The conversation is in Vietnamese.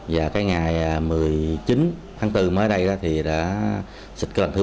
và cái ngày một mươi chín tháng bốn mới đây thì đã xịt cái lần thứ ba